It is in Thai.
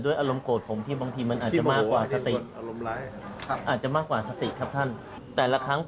อยู่อย่างนั้นทั้งวัน